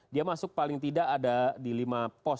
dia masuk paling tidak ada di lima pos